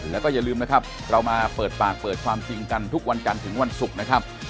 แล้วก็อย่าลืมนะครับเรามาเปิดปากเปิดความจริงกันทุกวันจันทร์ถึงวันศุกร์นะครับ